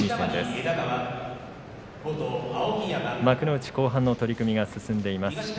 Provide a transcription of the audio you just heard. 幕内後半戦の取組が進んでいます。